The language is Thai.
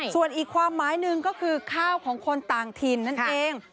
ส่วนอีกความหมายหนึ่งก็คือข้าวของคนต่างถิ่นนั่นเอง